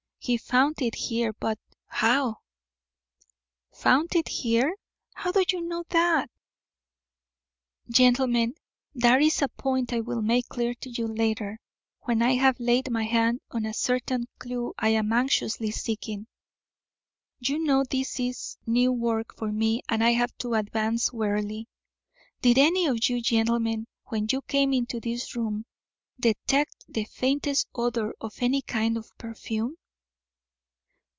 He found it here, but how " "Found it here? How do you know that?" "Gentlemen, that is a point I will make clear to you later, when I have laid my hand on a certain clew I am anxiously seeking. You know this is new work for me and I have to advance warily. Did any of you gentlemen, when you came into this room, detect the faintest odour of any kind of perfume?"